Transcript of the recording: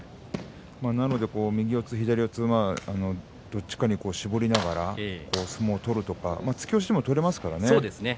なので、右四つ左四つどちらかに絞りながら相撲を取るとか突き押しでも取れますからね。